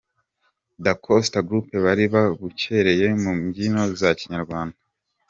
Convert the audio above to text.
Dacosta group bari babukereye mu mbyino za kinyarwanda.